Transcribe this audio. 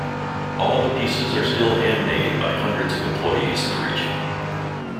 All the pieces are still handmade by hundreds of employees in the region.